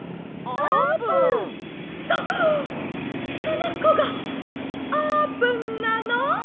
「そそのこがあーぷんなの！？